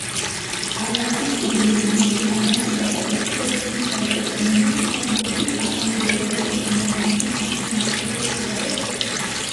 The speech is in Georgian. ბალარდის წიგნიდან მოიყვანა ციტატები, სადაც იმ საიტებზე მიუთითა, რომლებიც ატომური იარაღის გამოყენების საწინააღმდეგოდ ქადაგებენ.